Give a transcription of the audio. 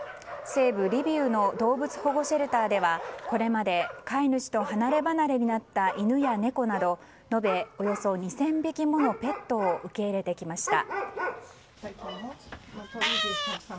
西部リビウの動物保護シェルターではこれまで飼い主と離ればなれになった犬や猫など述べおよそ２０００匹ものペットを受け入れてきました。